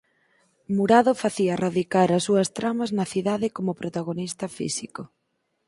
Murado facía radicar as súas tramas na cidade como protagonista físico.